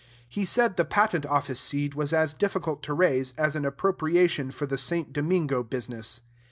He said the patent office seed was as difficult to raise as an appropriation for the St. Domingo business.